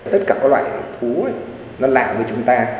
tất cả các loại thú ấy nó lạ với chúng ta